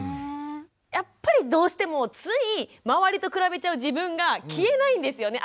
やっぱりどうしてもつい周りと比べちゃう自分が消えないんですよね